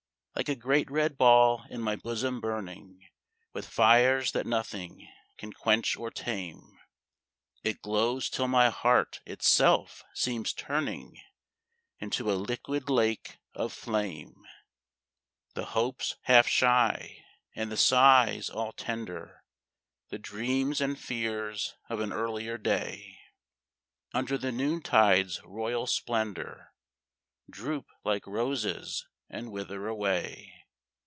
Like a great red ball in my bosom burning With fires that nothing can quench or tame. It glows till my heart itself seems turning Into a liquid lake of flame. The hopes half shy, and the sighs all tender, The dreams and fears of an earlier day, Under the noontide's royal splendor, Droop like roses and wither away.